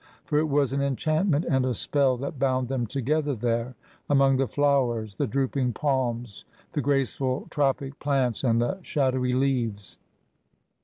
For it was an enchantment and a spell that bound them together there, among the flowers, the drooping palms, the graceful tropic plants and the shadowy leaves.